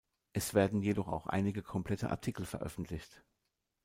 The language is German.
Es werden jedoch auch einige komplette Artikel veröffentlicht.